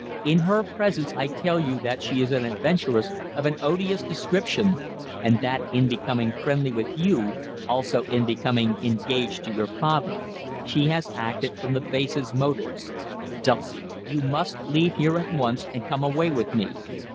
In her presence I tell you that she is an adventuress of an odious description, and that, in becoming friendly with you, also in becoming engaged to your father, she has acted from the basest motives. Dulcie, you must leave her at once, and come away with me."